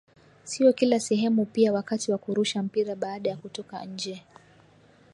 sio kila sehemu pia wakati wa kurusha mpira baada ya kutoka nje